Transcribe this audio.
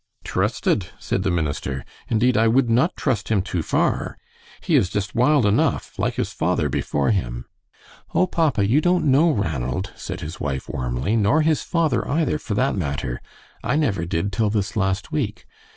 "Trusted?" said the minister; "indeed, I would not trust him too far. He is just wild enough, like his father before him." "Oh, papa, you don't know Ranald," said his wife, warmly; "nor his father either, for that matter. I never did till this last week.